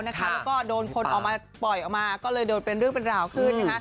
แล้วก็โดนคนออกมาปล่อยออกมาก็เลยโดนเป็นเรื่องเป็นราวขึ้น